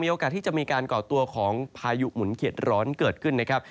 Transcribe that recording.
โอกาสที่จะมีการก่อตัวของพายุหมุนเขียดร้อนเกิดขึ้นนะครับ